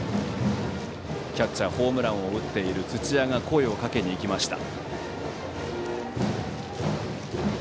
キャッチャーホームランを打っている土屋が声をかけに行きました。